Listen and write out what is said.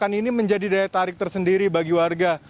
dan ini menjadi daya tarik tersendiri bagi warga